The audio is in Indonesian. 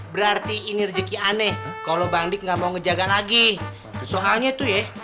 berarti ini rejeki annay kalau alberta nggak mau kejagaan lagi soalnya tuh ya